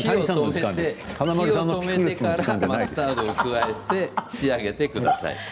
フレンチマスタードを加えて仕上げてください。